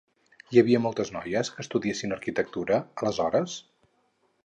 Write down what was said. Hi havia moltes noies que estudiessin arquitectura, aleshores?